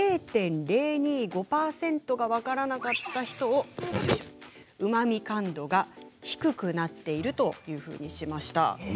０．０２５％が分からなかった人をうまみ感度が低くなっているとしました。